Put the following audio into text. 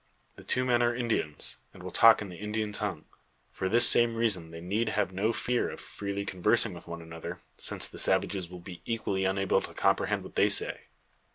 The two men are Indians, and will talk in the Indian tongue. For this same reason they need have no fear of freely conversing with one another, since the savages will be equally unable to comprehend what they say.